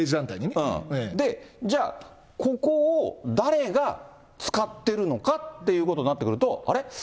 で、じゃあ、ここを誰が使ってるのかっていうことになってくると、あれ？